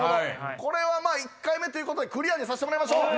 これは１回目ということでクリアにさしてもらいましょう。